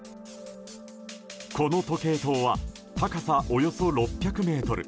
この時計塔は高さおよそ６００ｍ。